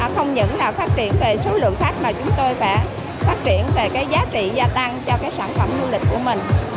không những là phát triển về số lượng khách mà chúng tôi phải phát triển về giá trị gia tăng cho sản phẩm du lịch của mình